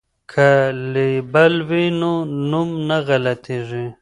که لیبل وي نو نوم نه غلطیږي.